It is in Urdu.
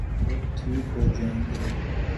جب ٹھیک ہو جائیں گے۔